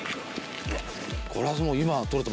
これはもう。